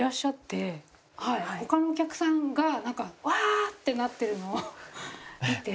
他のお客さんがなんかワーッ！ってなってるのを見て。